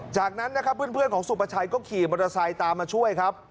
จากนั้นนะครับเพื่อนของสุประชัยก็ขี่มอเตอร์ไซค์ตามมาช่วยครับ